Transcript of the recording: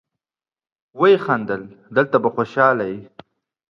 ويې خندل: دلته به خوشاله يې.